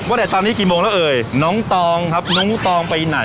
ไหนตอนนี้กี่โมงแล้วเอ่ยน้องตองครับน้องตองไปไหน